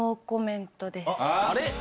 あれ？